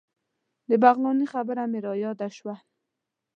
د بغلاني خبره مې رایاده شوه.